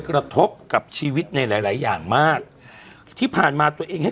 กระทบกับชีวิตในหลายหลายอย่างมากที่ผ่านมาตัวเองให้